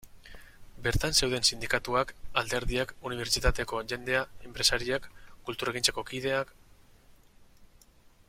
Bertan zeuden sindikatuak, alderdiak, unibertsitateko jendea, enpresariak, kulturgintzako kideak...